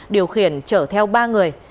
điều khiển chở theo ba người